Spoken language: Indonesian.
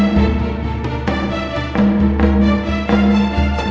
jangan lupa joko tingkir